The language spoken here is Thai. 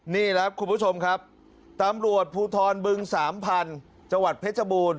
นี่ครับคุณผู้ชมครับตำรวจภูทรบึงสามพันธุ์จังหวัดเพชรบูรณ